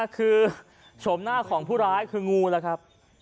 คือโฉมหน้าของผู้ร้ายคืองูแล้วครับ